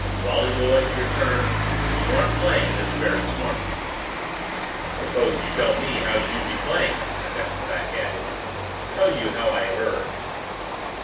"Wally boy," he returned, "you aren't playing this very smart." "Suppose you tell me how you'd be playing it," I bounced back at him. "Tell you how I have erred?"